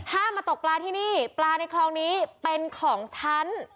มาตกปลาที่นี่ปลาในคลองนี้เป็นของฉัน